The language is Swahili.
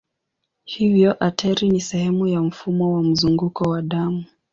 Hivyo ateri ni sehemu ya mfumo wa mzunguko wa damu.